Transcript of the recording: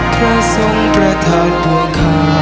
เพราะสมประทานปวงคา